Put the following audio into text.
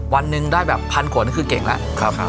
วันหนึ่งได้แบบพันขวดนี่คือเก่งแล้ว